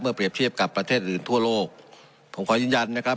เปรียบเทียบกับประเทศอื่นทั่วโลกผมขอยืนยันนะครับ